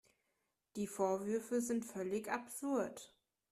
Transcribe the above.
Die Vorwürfe sind völlig absurd.